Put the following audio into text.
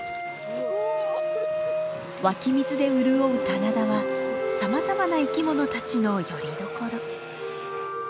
湧き水で潤う棚田はさまざまな生き物たちのよりどころ。